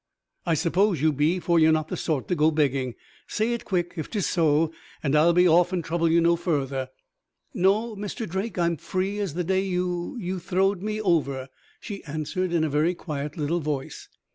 I suppose you be, for you're not the sort to go begging. Say it quick if 'tis so, and I'll be off and trouble you no further." "No, Mr. Drake. I'm free as the day you you throwed me over," she answered, in a very quiet little voice.